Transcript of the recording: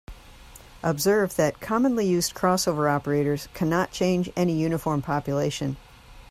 Observe that commonly used crossover operators cannot change any uniform population.